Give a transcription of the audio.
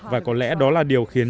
và có lẽ đó là điều khiến